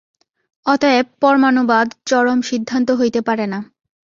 অতএব পরমাণুবাদ চরম সিদ্ধান্ত হইতে পারে না।